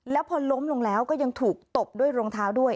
แล้วพอล้มลงแล้วก็ยังถูกตบด้วยรองเท้าด้วย